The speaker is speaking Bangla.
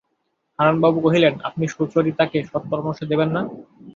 হারানবাবু কহিলেন, আপনি সুচরিতাকে সৎপরামর্শ দেবেন না?